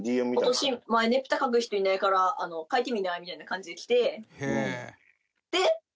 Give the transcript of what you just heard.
今年前ねぷた描く人いないから描いてみない？みたいな感じで来て。